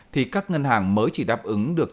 thì các ngân hàng mới chỉ đáp ứng được